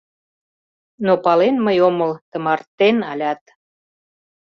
Но пален мый омыл тымартен алят: